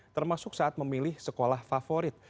termasuk saat memilih sekolah favorit